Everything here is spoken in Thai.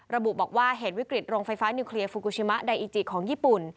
ระบุบอกว่าเหตุวิกฤตโรงไฟฟ้านิวเคลียร์ฟูกูชิมะไดอิจิของญี่ปุ่น